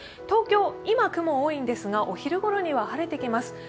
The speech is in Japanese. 東京、今、雲多いんですがお昼ごろには晴れてきます。